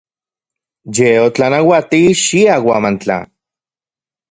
Ye otlanauati xia Huamantla.